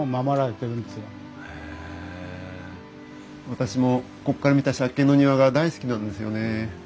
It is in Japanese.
私もこっから見た借景の庭が大好きなんですよね。